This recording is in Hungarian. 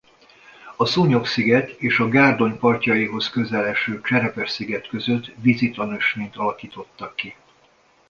A Szúnyog-sziget és a Gárdony partjaihoz közel eső Cserepes-sziget között vízi tanösvényt alakítottak ki.